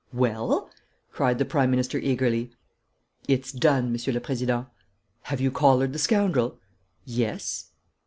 "Well?" cried the Prime Minister eagerly. "It's done, Monsieur le Président." "Have you collared the scoundrel?" "Yes."